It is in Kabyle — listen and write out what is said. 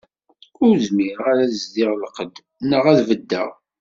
Ur zmireɣ ara ad zdiɣ lqedd, naɣ ad beddeɣ.